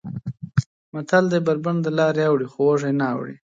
متل دی: بر بنډ دلارې اوړي خو وږی نه اوړي.